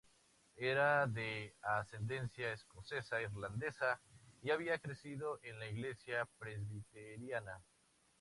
Era de ascendencia escocesa-irlandesa y había crecido en la Iglesia Presbiteriana.